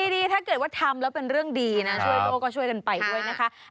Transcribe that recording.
ดีถ้าเกิดว่าทำแล้วเป็นเรื่องดีนะช่วยโลกก็ช่วยกันไปด้วยนะคะ